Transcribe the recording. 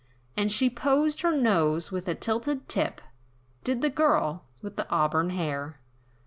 And she posed her nose, with a tilted tip, Did the girl, with the auburn hair.